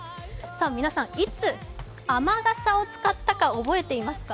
皆さん、いつ雨傘を使ったか覚えていますか？